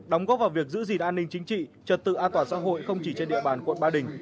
đóng góp vào việc giữ gìn an ninh chính trị trật tự an toàn xã hội không chỉ trên địa bàn quận ba đình